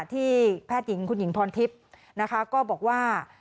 ที่แพทย์ขุนหญิงพรทิพย์ก็บอกว่า